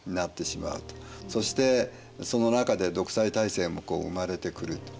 そしてその中で独裁体制も生まれてくると。